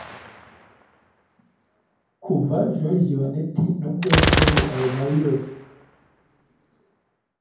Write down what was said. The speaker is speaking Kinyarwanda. Kuva Joriji Baneti nubwo yakoze ayo mabi yose